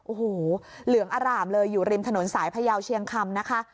โอ้โหเหลืองอร่ามเลยอยู่ริมถนนสายพยาวเชียงคำนะคะ